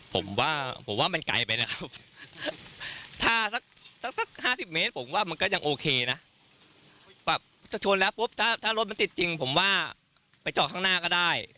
ผมว่าผมว่ามันไกลไปนะครับถ้าสักสัก๕๐เมตรผมว่ามันก็ยังโอเคนะแบบถ้าชนแล้วปุ๊บถ้ารถมันติดจริงผมว่าไปจอดข้างหน้าก็ได้